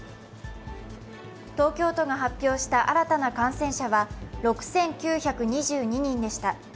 東京都が発表した新たな感染者は６９２２人でした。